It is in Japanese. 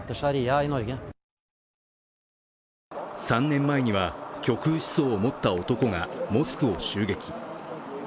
３年前には極右思想を持った男がモスクを襲撃。